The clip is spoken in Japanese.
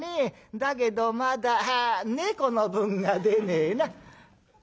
だけどまだ猫の分が出ねえな」。